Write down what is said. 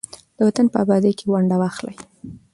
د وطن په ابادۍ کې ونډه واخلئ.